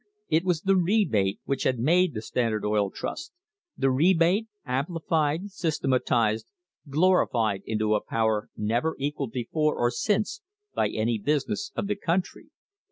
It was the rebate which had made the Standard Oil Trust, the rebate, amplified, systematised, glorified into a power never equalled before or since by any business of the country.